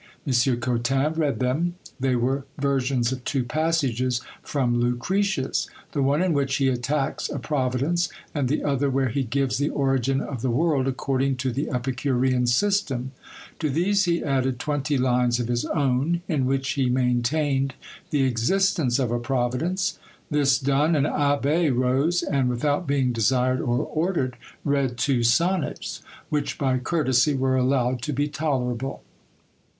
M. Cotin read them: they were versions of two passages from Lucretius: the one in which he attacks a Providence, and the other, where he gives the origin of the world according to the Epicurean system: to these he added twenty lines of his own, in which he maintained the existence of a Providence. This done, an abbé rose, and, without being desired or ordered, read two sonnets, which by courtesy were allowed to be tolerable.